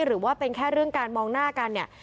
หรือว่าเป็นแค่เรื่องการมองหน้ากันเนี่ย